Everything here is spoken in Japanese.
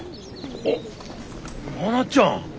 おっ真夏ちゃん！